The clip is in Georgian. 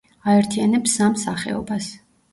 აერთიანებს სამ სახეობას.